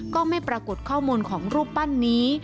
ก็ไม่ปรากฏข้อมูลของรูปปั้นนี้